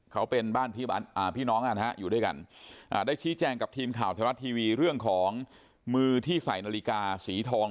ข้าวเทวดรัชทีวีเรื่องของมือที่ใส่นาฬิกาสีทอง